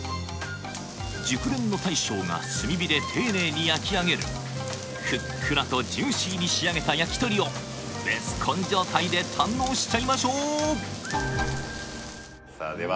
熟練の大将が炭火で丁寧に焼き上げるふっくらとジューシーに仕上げた焼き鳥をベスコン状態で堪能しちゃいましょう！